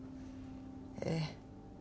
ええ。